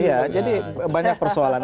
iya jadi banyak persoalan